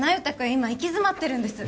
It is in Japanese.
今行き詰まってるんです